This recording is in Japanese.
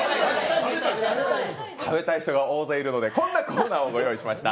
食べたい人が大勢いるので、こんなコーナーをご用意しました。